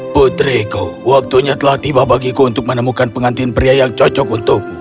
putriku waktunya telah tiba bagiku untuk menemukan pengantin pria yang cocok untukmu